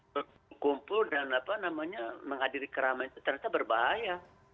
berkumpul dan apa namanya menghadiri keramaian itu ternyata berbahaya